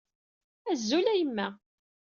Azul a yemma.